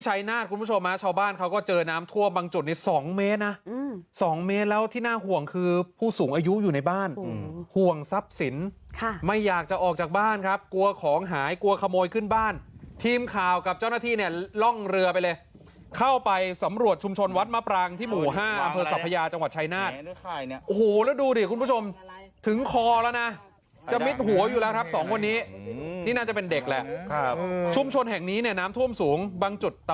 ชัยนาธกุลพระชมะชาวบ้านเขาก็เจอน้ำทั่วบางจุดใน๒เมตรนะ๒เมตรแล้วที่น่าห่วงคือผู้สูงอายุอยู่ในบ้านห่วงซับสินไม่อยากจะออกจากบ้านครับกลัวของหายกลัวขโมยขึ้นบ้านทีมค่าวกับเจ้าหน้าที่เนี่ยล่องเรือไปเลยเข้าไปสำรวจชุมชนวัดมปรังที่หมู่๕อำเตอร์ศัพท์พญาจังหวัดชัยนาธแฮนดี้ห